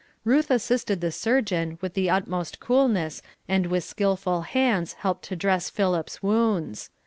Ruth assisted the surgeon with the utmost coolness and with skillful hands helped to dress Philip's wounds.